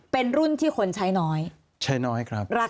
เป็นรุ่นที่คนใช้น้อย